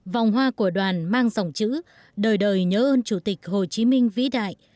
vòng hoa của đoàn mang dòng chữ đời đời nhớ ơn chủ tịch hồ chí minh vĩ đại